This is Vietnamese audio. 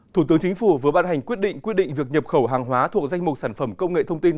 thủ tướng chính phủ vừa ban hành quyết định quyết định việc nhập khẩu hàng hóa thuộc danh mục sản phẩm công nghệ thông tin